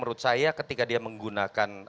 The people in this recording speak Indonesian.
menurut saya ketika dia menggunakan